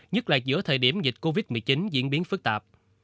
nhất là giữa thời điểm dịch covid một mươi chín diễn biến phức tạp